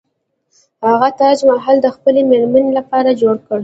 هغه تاج محل د خپلې میرمنې لپاره جوړ کړ.